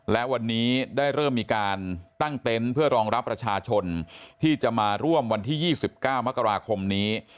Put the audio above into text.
และวันนี้ได้เริ่มมีการตั้งเต็นต์เพื่อรองรับประชาชนที่จะมาร่วมวันที่๒๙มกราคมนี้